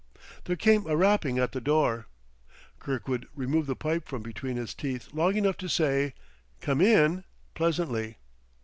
There came a rapping at the door. Kirkwood removed the pipe from between his teeth long enough to say "Come in!" pleasantly.